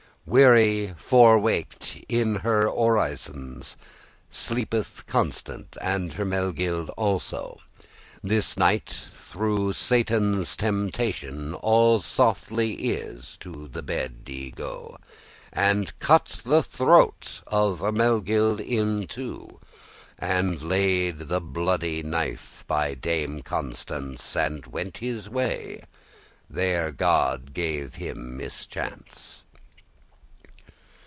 Weary, forwaked* in her orisons, *having been long awake Sleepeth Constance, and Hermegild also. This knight, through Satanas' temptation; All softetly is to the bed y go,* *gone And cut the throat of Hermegild in two, And laid the bloody knife by Dame Constance, And went his way, there God give him mischance.